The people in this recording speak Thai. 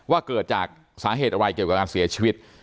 ว่าเกิดจากสาเหตุอะไรเกี่ยวกับการเสียชีวิต